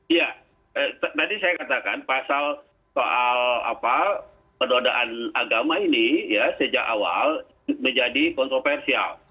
iya tadi saya katakan pasal soal penodaan agama ini ya sejak awal menjadi kontroversial